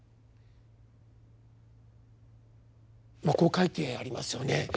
まあこう書いてありますよね。